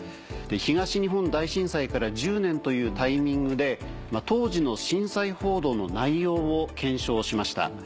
東日本大震災から１０年というタイミングで当時の震災報道の内容を検証しました。